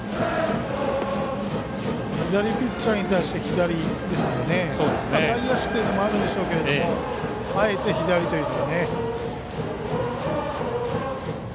左ピッチャーに対して左ですので外野手というのもあるでしょうがあえて左という。